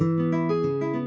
kamu mau dibom